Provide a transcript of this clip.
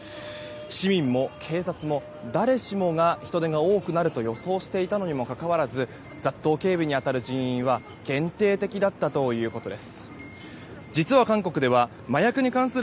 市民も警察も誰しもが人出が多くなると予想していたのにもかかわらず雑踏警備に当たる人員は限定的だったということです。